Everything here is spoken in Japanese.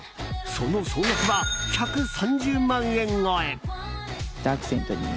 その総額は１３０万円超え。